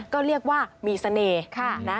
ก็เรียกว่ามีเสน่ห์